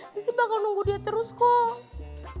sisi bakal nunggu dia terus kok